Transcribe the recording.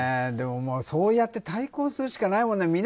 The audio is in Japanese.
でも、そうやって対抗するしかないもんね。